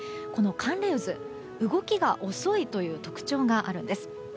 この寒冷渦、動きが遅いという特徴があるんです。